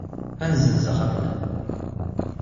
Ad nessenz axxam-nneɣ.